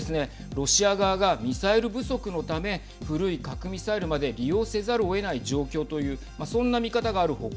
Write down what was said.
ロシア側がミサイル不足のため古い核ミサイルまで利用せざるをえない状況というそんな見方がある他